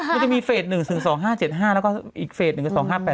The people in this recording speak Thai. มันก็มีเฟส๑ซึ่ง๒๕๗๕แล้วก็อีกเฟส๑ก็๒๕๘๐